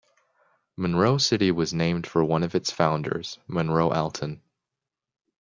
Monroe City was named for one of its founders, Monroe Alton.